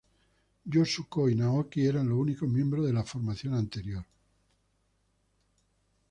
Yosu-ko y Naoki eran los únicos miembros de la formación anterior.